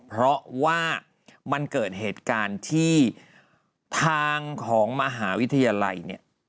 เพราะว่ามันเกิดเหตุการณ์ที่ทางของมหาวิทยาลัยเนี่ย